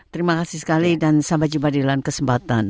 terima kasih sekali dan sampai jumpa di lain kesempatan